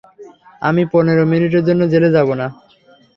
আমি পনের মিনিটের জন্যও জেলে যাব না।